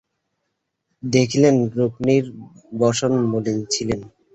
দেখিলেন রুক্মিণীর বসন মলিন, ছিন্ন।